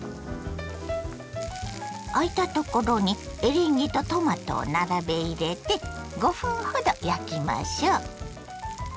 あいたところにエリンギとトマトを並べ入れて５分ほど焼きましょ。